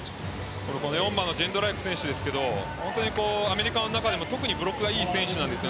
ジェンドライク選手アメリカの中でも特にブロックがいい選手です。